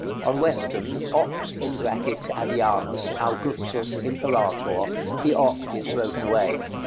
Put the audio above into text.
On western, "(OCT)AVIANUS AUGUSTUS IMPERATOR." The "OCT" is broken away.